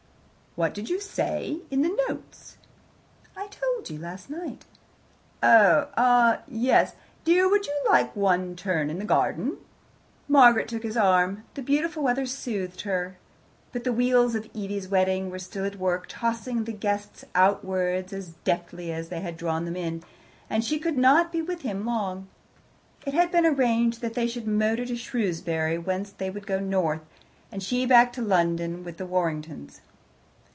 "What did you say in the notes?" "I told you last night." "Oh ah yes! Dear, would you like one turn in the garden?" Margaret took his arm. The beautiful weather soothed her. But the wheels of Evie's wedding were still at work, tossing the guests outwards as deftly as they had drawn them in, and she could not be with him long. It had been arranged that they should motor to Shrewsbury, whence he would go north, and she back to London with the Warringtons.